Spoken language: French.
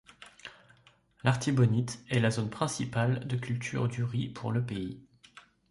L'Artibonite est la zone principale de culture du riz pour le pays.